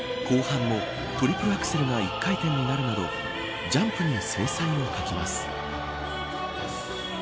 後半のトリプルアクセルが１回転になるなどジャンプに精彩を欠きます。